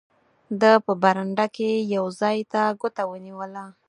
ده په برنډه کې یو ځای ته ګوته ونیوله.